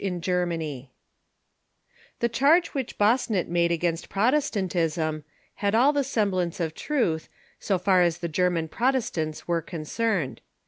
] The charge which Bossuet made against Protestantism had all the semblance of truth, so far as the German Protestants Varied were concerned.